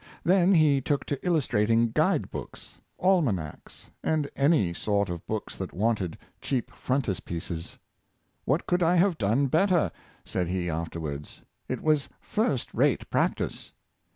Then he took to illustrating guide books, almanacs, and any sort of books that wanted cheap frontispieces. "What could I have done better.^" said he afterwards; "it was first rate practice."